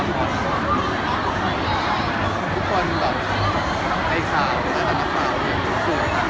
ทุกค้นตามเวทมะคราวและตามเวทมะคราวยังต้องโทษส่วนถัง